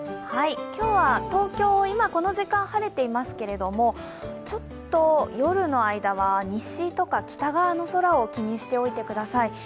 今日は東京、今この時間、晴れていますけどちょっと夜の間は西とか北側の空を気にしておいてください。